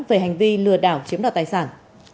về hành vi lừa đảo chiếm đoạt tài sản